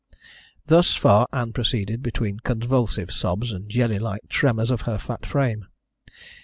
Thus far Ann proceeded, between convulsive sobs and jelly like tremors of her fat frame.